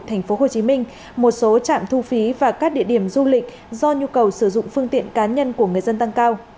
tp hcm một số trạm thu phí và các địa điểm du lịch do nhu cầu sử dụng phương tiện cá nhân của người dân tăng cao